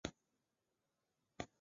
古乳齿象是已灭绝的长鼻目。